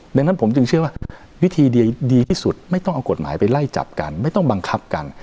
ดังนั้นผมจึงเชื่อว่าวิธีเดียวดีที่สุดไม่ต้องเอากฎหมายไปไล่จับกันไม่ต้องบังคับกัน